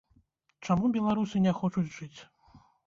Чаму беларусы не хочуць жыць?